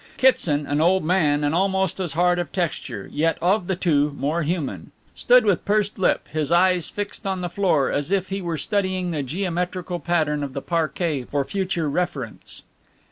Kitson, an old man and almost as hard of feature, yet of the two more human, stood with pursed lip, his eyes fixed on the floor, as if he were studying the geometrical pattern of the parquet for future reference.